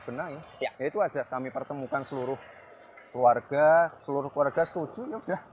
benahi ya itu aja kami pertemukan seluruh keluarga seluruh keluarga setuju ya udah